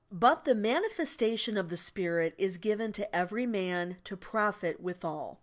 But the manifestation of the Spirit is given to every man to profit withal.